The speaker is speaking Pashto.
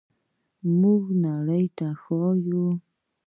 موږ نړۍ ته ښیو.